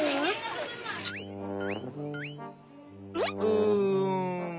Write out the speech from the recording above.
うん。